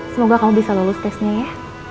semoga kamu bisa lulus tesnya ya